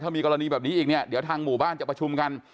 มีกรณีแบบนี้อีกเนี่ยเดี๋ยวทางหมู่บ้านจะประชุมกัน